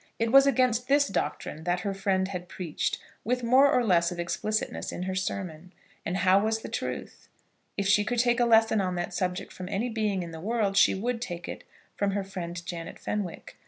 It was against this doctrine that her friend had preached, with more or less of explicitness in her sermon. And how was the truth? If she could take a lesson on that subject from any human being in the world, she would take it from her friend Janet Fenwick.